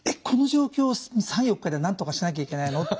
この状況を３４日でなんとかしなきゃいけないの？